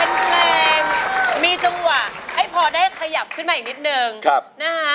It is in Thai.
เป็นเพลงมีจังหวะให้พอได้ขยับขึ้นมาอีกนิดนึงนะคะ